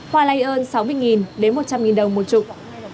hoa lây ơn sáu mươi đến một trăm linh đồng một chục